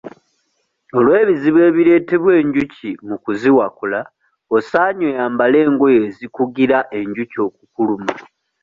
Olw'ebizibu ebireetebwa enjuki mu kuziwakula osaanye oyambale engoye ezikugira enjuki okukuluma.